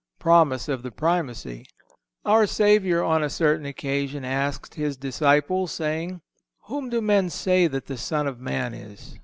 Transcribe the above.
Promise of the Primacy. Our Saviour, on a certain occasion, asked His disciples, saying: "Whom do men say that the Son of Man is?